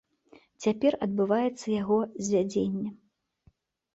Цяпер адбываецца яго звядзенне.